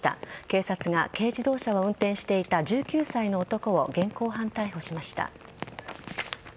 警察は軽自動車を運転していた１９歳の男を現行犯逮捕しました。